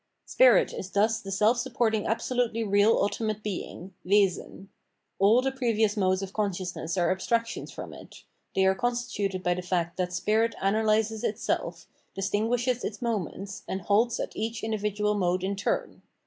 Spirit is thus the self supporting absolutely real ultimate being (Wesen). All the previous modes of consciousness are abstractions from it ; they are constituted by the fact that spirit analyses itself, distinguishes its moments, and halts at each individual mode in turn.